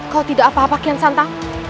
kau tidak apa apa kian santang